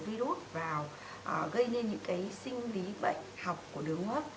virus vào gây nên những cái sinh lý bệnh học của đường hoa hấp